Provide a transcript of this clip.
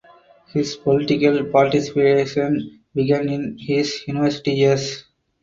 His political participation began in his university years.